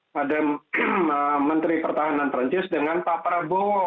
mdm menteri pertahanan prancis dengan pak prabowo